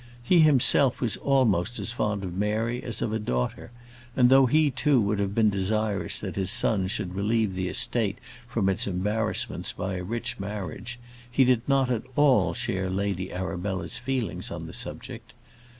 He himself was almost as fond of Mary as of a daughter; and, though he too would have been desirous that his son should relieve the estate from its embarrassments by a rich marriage, he did not at all share Lady Arabella's feelings on the subject.